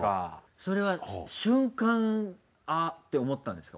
それは瞬間「あっ」って思ったんですか？